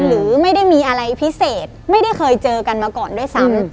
หรือไม่ได้มีอะไรพิเศษไม่ได้เคยเจอกันมาก่อนด้วยซ้ำ